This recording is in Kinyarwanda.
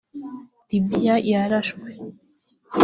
l i b i y a yarashwe